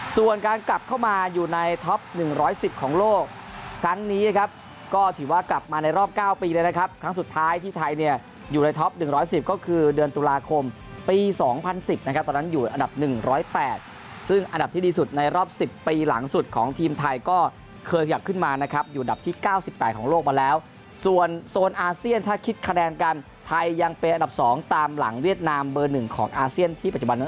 ส่วนการกลับเข้ามาอยู่ในท็อป๑๑๐ของโลกครั้งนี้นะครับก็ถือว่ากลับมาในรอบ๙ปีเลยนะครับครั้งสุดท้ายที่ไทยเนี่ยอยู่ในท็อป๑๑๐ก็คือเดือนตุลาคมปี๒๐๑๐นะครับตอนนั้นอยู่อันดับ๑๐๘ซึ่งอันดับที่ดีสุดในรอบ๑๐ปีหลังสุดของทีมไทยก็เคยกลับขึ้นมานะครับอยู่อันดับที่๙๘ของโลกมาแล้วส่วนโซนอาเซียนถ